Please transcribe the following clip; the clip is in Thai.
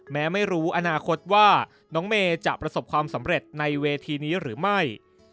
ไม่รู้อนาคตว่าน้องเมย์จะประสบความสำเร็จในเวทีนี้หรือไม่